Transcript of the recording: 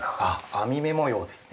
◆網目模様ですね。